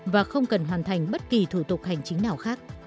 và không cần hoàn thành bất kỳ thủ tục hành chính nào khác